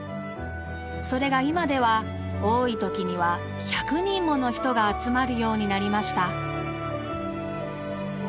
それが今では多い時には１００人もの人が集まるようになりました。